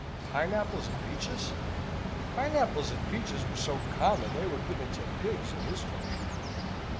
Pineapples and peaches? Pineapples and peaches were so common, they were given to pigs in his country.